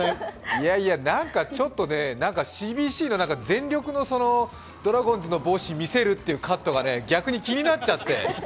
いやいや、なんかＣＢＣの全力のドラゴンズの帽子を見せるっていうカットが逆に気になっちゃって。